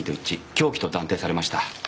凶器と断定されました。